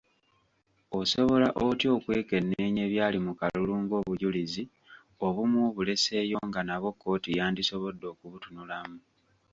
Osobola otya okwekenneenya ebyali mu kalulu ng'obujulizi obumu obuleseeyo nga nabwo kkooti yandisobodde okubutunulamu?